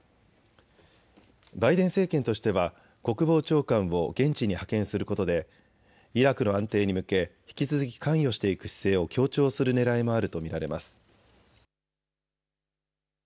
バイデン政権としては国防長官を現地に派遣することでイラクの安定に向け引き続き関与していく姿勢を強調するねらいもあると見られます。